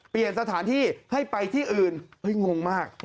เปลี่ยนสถานที่ให้ไปที่อื่นเฮ้ยงงมาก